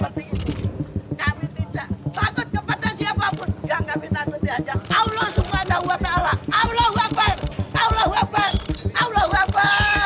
allah subhanahu wa ta'ala allah wabarakatuh allah wabarakatuh allah wabarakatuh